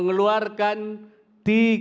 jauh keluar dari situ